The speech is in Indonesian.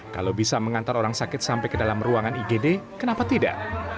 kalau bisa mengantar orang sakit sampai ke dalam ruangan igd kenapa tidak